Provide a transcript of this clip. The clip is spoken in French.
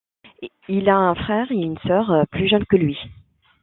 Il a un frère et une sœur, plus jeunes que lui.